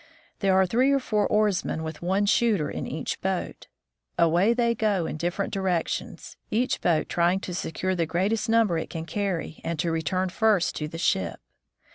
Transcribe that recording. There are three or four oarsmen with one shooter in each boat. Away they go in different direc tions, each boat trying to secure the greatest number it can carry and to return first to the ship.